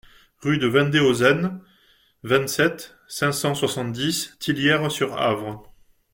Rue de Wendehausen, vingt-sept, cinq cent soixante-dix Tillières-sur-Avre